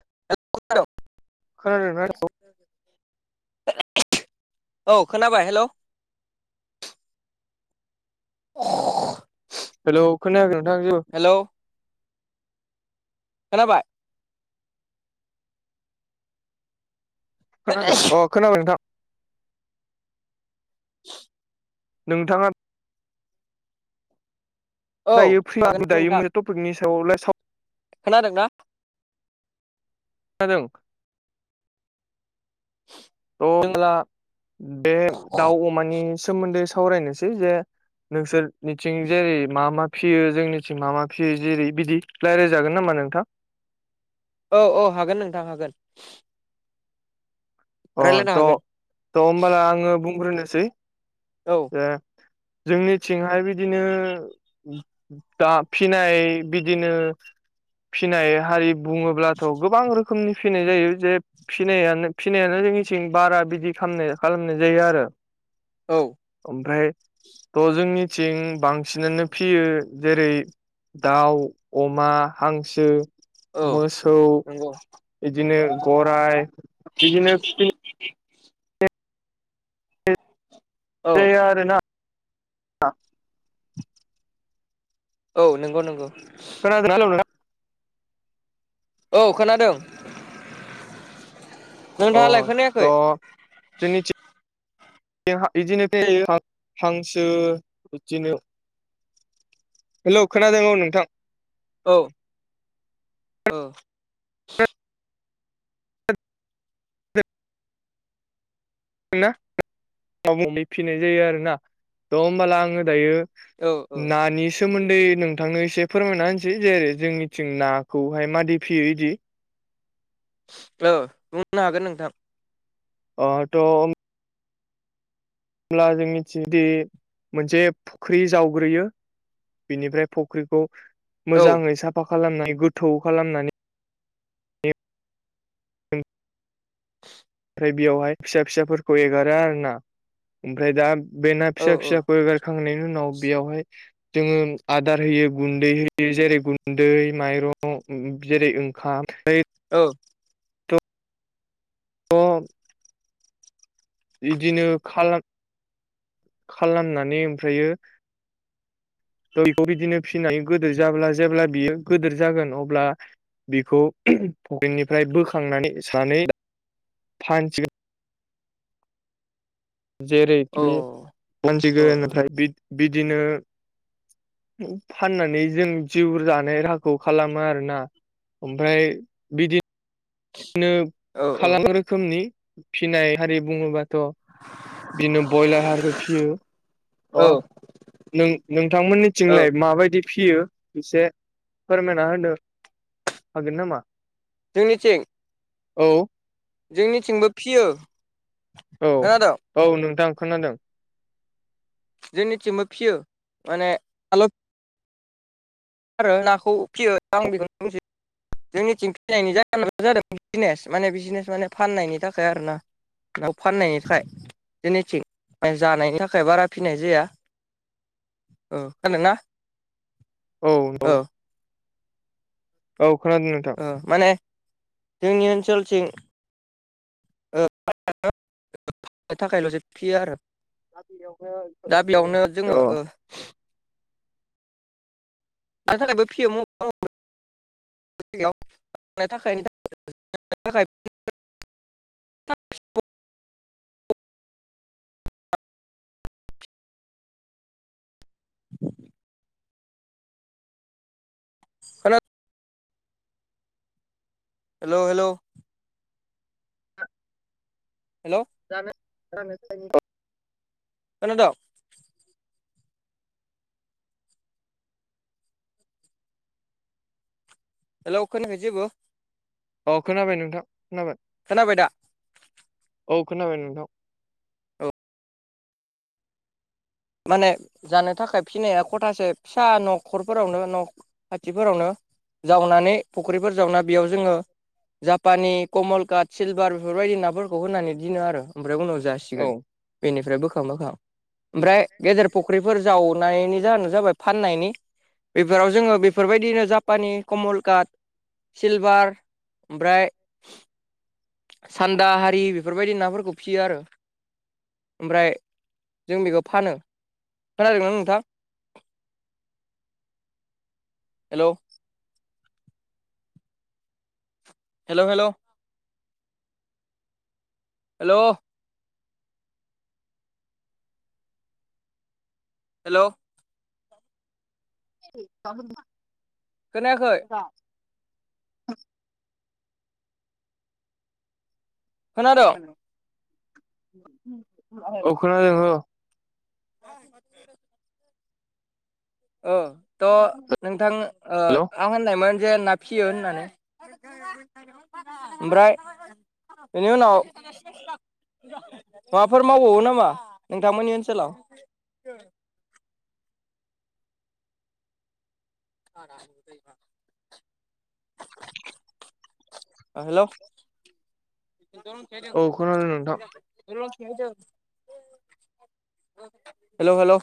[unintelligible] खोनादों ना [unintelligible] औ खोनाबाय हेलौ [unintelligible] हेलौ खोनायाखै नोंथां जेबो हेलौ खोनाबाय खोनादों अ खोनाबाय नोंथां नोंथाङा औ दायो फ्रि दायो मोनसे टपिकनि सायाव सा खोनादों ना खोनादों [inaudible] [unintelligible] बे दाउ अमानि सोमोन्दै सावरायनोसै जे नोंसोरनिथिं जेरै मा मा फियो जोंनिथिं मा मा फियो जेरै बिदि रायज्लायजागोन नामा नोंथां औ औ हागोन नोंथां हागोन अ रायलायनो हागोन थ' थ' होमबाला आङो बुंग्रोनोसै औ [unintelligible] जोंनिथिंहाय बिदिनो दा फिनाय बिदिनो फिनाय हारि बुङोब्लाथ' गोबां रोखोमनि फिनाय जायो जे फिनायानो फिनायानो जोंनिथिं बारा बिदि खालामनाय खालामनाय जायो आरो औ ओमफ्राय थ' जोंनि थिं बांसिनानो फियो जेरै दाउ अमा हांसो औ नंगौ इदिनो गराय बिदिनो [inaudible] औ जायो आरोना औ नंगौ नंगौ खोनादों ना [unintelligible] औ खोनादों अ नोंथाङालाय खोनायाखै थ' [unintelligible] हांसो बिदिनो हेलौ खोनादों औ नोंथां औ औ [inaudible] फिनाय जायो आरोना। थ' होमबाला आङो दायो औ नानिस सोमोन्दै नोंथांनो एसे फोरमायना होनसै जेरै जोंनिथिं नाखौहाय मादै फियो इदि। औ बुंनो हागोन नोंथां। अ थ' होमब्ला जों मिथियोदि मोनसे फुख्रि जावग्रोयो। बिनिफ्राय फख्रिखौ औ मोजाङै साफा खालामनानै गोथौ खालामनानै [unintelligible] फ्राय बियावहाय फिसा फिसाफोरखौ एगारो आरो ना। ओमफ्राय दा बे ना औ फिसा औ फिसा फोर खांनायनि उनाव बेयावहाय जोङो आदार होयो गुन्दै होयो। जेरै गुन्दै माइर' [unintelligible] जेरै ओंखाम ओइ ओं। अ इदिनो खालाम खामनानै ओमफ्रायो दैखौ बिदिनो फिनानै गोदोर जाब्ला जेब्ला बियो गोदोर जागोन अब्ला बिखौ पकेटनिफ्राय बोखांनानै सानै फानसिगोन औ जेरैखि औ [unintelligible] बि बिदिनो फाननानै जों जिउ जानाय राहाखौ खालामो आरोना। ओमफाय बिदि दिनो औ खालाम रोखोमनि फिनाय हारि बुङोबा थ' दिनो बयलार हारिबो फियो। अ औ नों-नोंथां औ मोनिथिंलाय माबायदि फियो एसे फोरमायना होनो हागोन नामा? जोंनिथिं? औ जोंनिथिंबो फियो। औ खोनादों औ नोंथाङा खोनादों। जोंनिथिंबो फियो माने आलोख आरो नाखौ फियो आं बेखौनो बुंसै। जोंनिथिं फैनायनि जाहोनानो जादों बिजनेस माने बिजनेस माने फाननायनि थाखाय आरोना। नाव फाननायनि थाखाय जेनिथिं बाय जानायनि थाखाय बारा फिनाय जाया। ओ खोना ना? औ औ। औ खोनादों नोंथां। ओ माने जोंनि ओनस सोलथिं [inaudible] थाखायल'सो फियो आरो। दा बेयावनो जोङो अ ओ [unintelligible] [unintelligible] [inaudible] [inaudible] खोना हेलौ हेलौ। हेलौ [unintelligible] खोनादं? हेलौ खोनायाखै जेबो? अ खोनाबाय नोंथां खोनाबाय। खोनाबाय दा? औ खोनाबाय नोंथां। औ माने जानो थाखाय फिनाया खथासे फिसा न'खरफोरावनो न' खाथिफोरावनो जावनानै फुख्रिफोर जावना बेयाव जोङो जापानि कमलकाट सिलभार बेफोरबायदि नाफोरखौ होनानै दिनो आरो ओमफ्राय उनाव जासिगोन औ बेनिफ्राय बोखां बोखां ओमफ्राय गेदेर फुख्रिफोर जावनायनि जाहोनानो जाबाय फाननायनि बेफोराव जोङो बेफोरबायदिनो जापानि कमलकाट सिलभार ओमफ्राय सान्दा हारि बेफोरबायदि नाफोरखौ फियो आरो ओमफ्राय जों बेखौ फानो खोनादों ना नोंथां hello hello hello hello hello [unintelligible] खोनायाखै [unintelligible] खोनादों ओ खोनादों औ [unintelligible] औ थ' नोंथां ओ हेल' आं होननायमोन जे ना फियो होननानै ओमफ्राय बेनि उनाव माबाफोर मावबावो नामा नोंथांमोननि ओनसोलाव [unintelligible] [inaudible] हेलौ [unintelligible] औ खोनादों नोंथां [unintelligible] हेलौ हेलौ।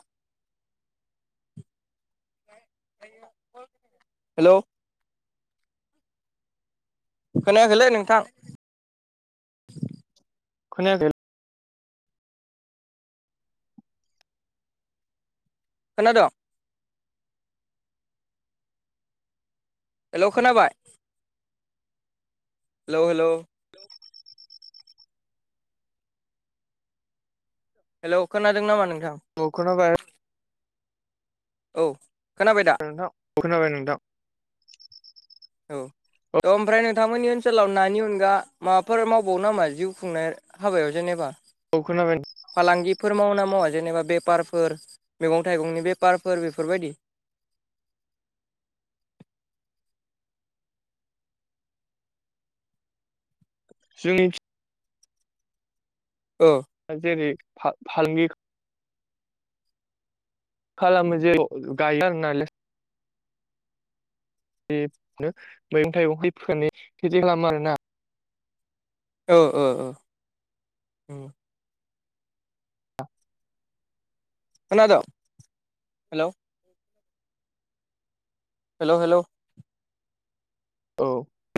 हेलौ। खोनायाखैलै नोंथां। खोनायाखै। खोनाद'। हेलौ खोनाबाय। हेलौ हेलौ [inaudible] हेलौ‌ खोनादों नामा नों? औ खोनाबाय औ खोनाबाय दा? औ खोनाबाय नोंथां। [inaudible] ओ ओमफ्राय नोंथांमोननि ओनसोलाव नानि अनगा माबाफोर मावबावो नामा जिउ खुंनाय हाबायाव जेनेबा? औ खोनाबाय फालांगिफोर मावोना मावा? जेनेबा बेफारफोर मैगं थाइगंनि बेफारफोर बेफोरबायदि। [inaudible] जोंनिथि। औ जेरै मा भालमिक। खालामो जे गायो आरोना। बेदिनो मैगं थाइगं खेथि खालामो आरोना। ओ ओ ओ खोनादों हेलौ हेलौ हेलौ। औ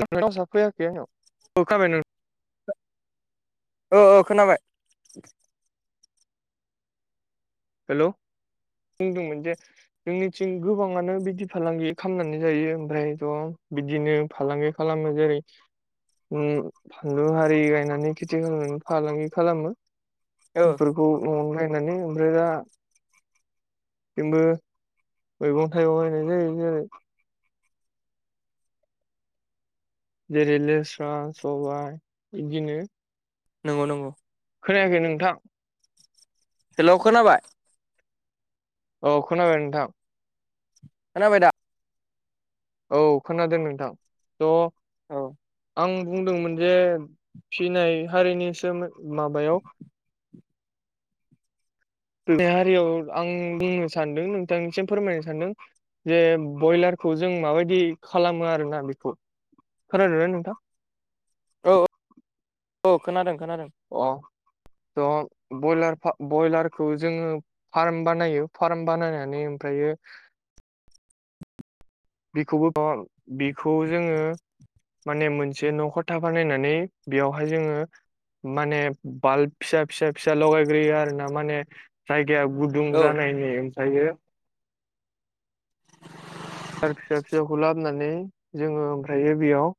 नोंनाव सा फैयाखै आंनाव औ खाबाय नों। औ औ खोनाबाय। हेलौ। बुंदोंमोन जे जोंनिथिं गोबाङानो बिदि फालांगि खालामनानै जायो ओमफ्रायथ'। बिदिनो फालांगि खालामो जेरै। उम फानलु हारि गायनानै खेथि खालामो फालांगि खालामो। ओ बेफोरखौ न'आवनो गायनानै ओमफ्राय दा थिंबो। मैगं थाइगं गायनाय जायो जेरै। जेरै लेस्रा सबाय इदिनो। नोंगौ नंगौ। खोनायाखै नोंथां। हेलौ खोनाबाय। औ खोनाबाय नोंथां। खोनाबायदा? औ खोनादों नोंथां थ। औ। आं बुंदोंमोन जे फिनाय हारिनिसो माबायाव। बे हारियाव आं बुंनो सान्दों नोंथांनिसिम फोरमायनो सान्दों। जे बयलारखौ जों माबायदि खालामो आरोना बिखौ खारो नोंथा। औ औ औ खोनादों खोनादों। अ थ बयलार फा बयलारखौ जोङो फार्म बानायो फार्म बानायनानै ओमफ्रायो। [unintelligible] [inaudible] बिखौबो थ' बिखौ जोङो। माने मोनसे न'खथा बानायनानै बेयावहाय जोङो। माने बाल्ब फिसा फिसा फिसा लगायग्रोयो आरो ना माने जाय गाया गुदुं औ जानायनि ओमफ्रायो आरो फिसा फिसौखौ लाबोनानै जोङो ओमफ्रायो बेयाव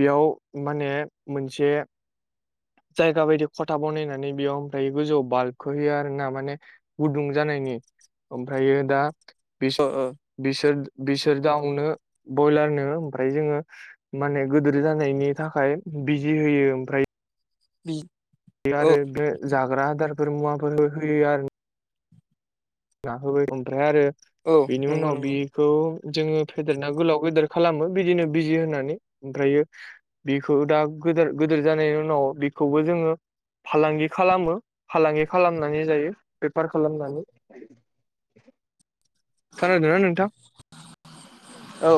बेयाव माने मोनसे जायगा बायदि खथा बनायनानै बेयाव ओमफ्राय गोजौआव बाल्बखौ होयो आर ना माने गुदुं जा ओमफ्रायो दा ओ ओ बिसोर बिसोर दाउनो बयलारनो ओमफ्राय जोङो माने गिदोर जानायनि थाखाय बिजि होयो ओमफ्राय बि बे औ आरो बे जाग्रा आदारफोर मुवाफोर होयो आरो नाहोबाय ओमफ्राय आरो औ बिनि नंगौ उनाव नंगौ बिखौ जोङो फेदेरना गोलाव गेदेर खालामो बिदिनो बिजि होनानै ओमफ्रायो बिखौ दा गोदोर गोदोर जानायनि उनाव बिखौबो जोङो फालांगि खालामो फालांगि खालामनानै जायो बेफार खालामनानै खोनादोना नोंथां औ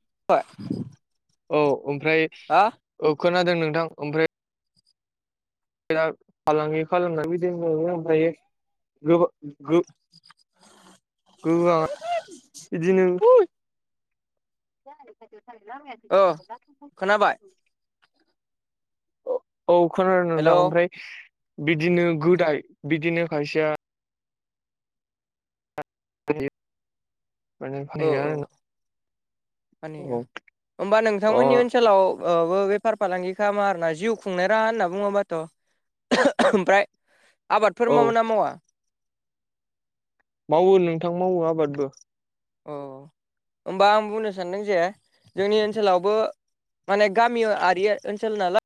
[unintelligible] औ ओमफ्राय हा खोनादों नोंथां ओमफ्राय दा फालांगि खालामालना बिदि मोनो ओमफ्रायो [unintelligible] बिदिनो ओ खोनाबाय [unintelligible] औ खोनादों नोंथां हेलौ ओमफ्राय बिदिनो गोदाय बिदिनो खायसेया [unintelligible] मानि औ होमबा अ नोंथांमोननि ओनसोलाव बबो बेफार फालांगि खालामा आरोना जिउ खुंनाय राहा होनना बुङोबाथ ओमफ्राय आबादफोर औ मावोना मावा मावो नोंथां मावो आबादबो औ होमबा आं बुंनो सानदों जे जोंनि ओनसोलावबो माने गामि आरारि ओनसोल नाल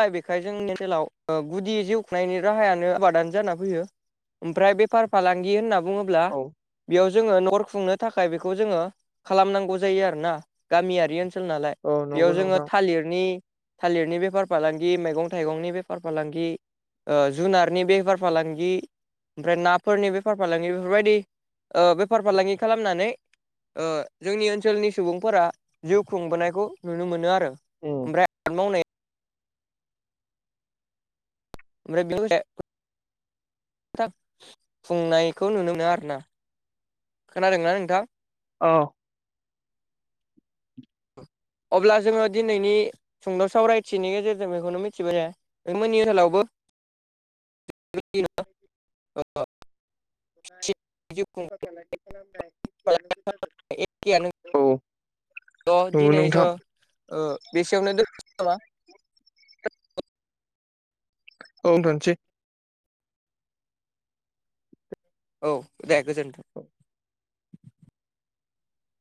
दा बेखाय जोंनि ओनसोलाव गुदि जिउ खुंनायनि राहायानो आबादानो जाना फैयो ओमफ्राय बेफार फालांगि होनना बुङोब्ला औ बेयाव जोङो नखर खुंनो थाखाय बेखौ जोङो खालामनांगौ जायो आरो ना गामियारि ओन ल नालाय औ नंगौ बेयाव जोङो नोंथां थालिरनि थालिरनि बेफार बेफार फालांगि मैगं थाइगंनि बेफार फालांगि जुनारनि बेफार फालांगि ओमफ्राय नाफोरनि बेफार फालांगि बेफोरबायदि ओ‌ बेफार फालांगि खालामनानै ओ जोंनि ओनसोलनि सुबुंफोरा जिउ खुंबोनायखौ नुनो मोनो आरो उम ओमफ्राय मावनाय ओमफ्राय लोगोसे खुंनायखौ नुनो मोनो आरोना खोनादों ना नोंथां औ अब्ला जोङो दिनैनि सुंद' सावरायथिनि गेजेरजों बेखौनो मिथिबाय जे नोंथांमोननि ओनसोलावबो [unintelligible] जिउ बेफार फालांगि खालामनाय एखेयानो खुंनाय एखेयानो गोजाजोब औ नंगौ दिनै जों नोंथां बेसेयावनो दोनथनोसै नामा औ दोनथनोसै औ दे गोजोन्थों